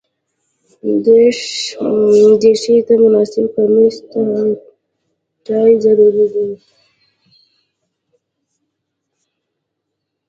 دریشي ته مناسب کمیس او ټای ضروري دي.